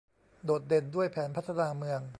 โดดเด่นด้วยแผนพัฒนาเมือง